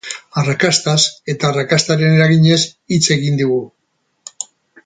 Arrakastaz, eta arrakastaren eraginez, hitz egin digu.